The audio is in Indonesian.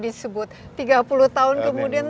disebut tiga puluh tahun kemudian